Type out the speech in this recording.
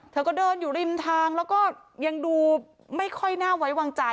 เธอก็เดินอยู่ริมทางแล้วก็ยังดูไม่ค่อยน่าไว้วางใจ